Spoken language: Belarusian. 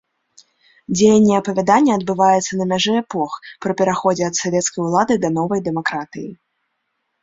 Дзеянне апавядання адбываецца на мяжы эпох, пры пераходзе ад савецкай улады да новай дэмакратыі.